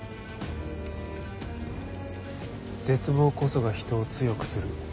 絶望こそが人を強くする。